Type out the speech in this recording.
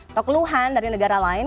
atau keluhan dari negara lain